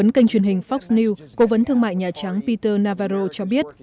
kênh truyền hình fox news cố vấn thương mại nhà trắng peter navarro cho biết